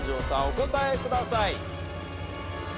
お答えください。